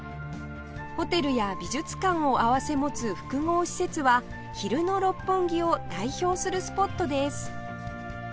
ホテルや美術館を併せ持つ複合施設は昼の六本木を代表するスポットです